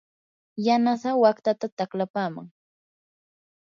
yanasaa waqtataa taqlapaman.